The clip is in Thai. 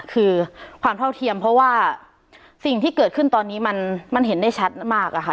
คือความเท่าเทียมเพราะว่าสิ่งที่เกิดขึ้นตอนนี้มันเห็นได้ชัดมากอะค่ะ